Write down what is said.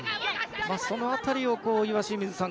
その辺りを岩清水さん